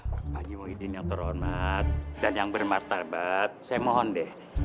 pak haji muhyiddin yang terhormat dan yang bermartabat saya mohon deh